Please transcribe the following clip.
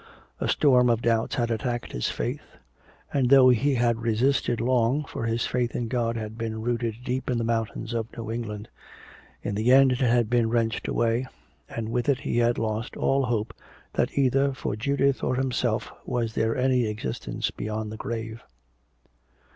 A storm of doubts had attacked his faith. And though he had resisted long, for his faith in God had been rooted deep in the mountains of New England, in the end it had been wrenched away, and with it he had lost all hope that either for Judith or himself was there any existence beyond the grave.